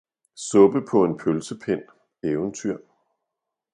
Suppe på en pølsepind Eventyr